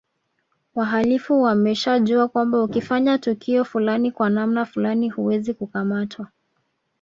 Wahalifu wameshajua kwamba ukifanya tukio fulani kwa namna fulani huwezi kukamatwa